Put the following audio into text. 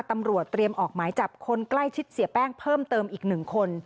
ตำรวจเตรียมออกหมายจับคนใกล้ชิดเสียแป้งเพิ่มเติมอีก๑คน